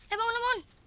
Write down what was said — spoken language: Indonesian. eh bangun bangun